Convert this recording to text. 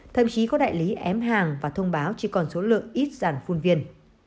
thậm chí có đại lý ém hàng và thông báo chỉ còn số lượng ít dàn phun viên